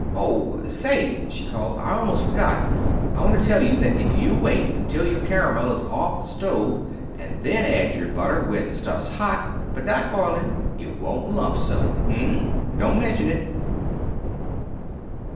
"Oh, say," she called. "I almost forgot. I want to tell you that if you wait until your caramel is off the stove, and then add your butter, when the stuff's hot, but not boilin', it won't lump so. H'm? Don't mention it."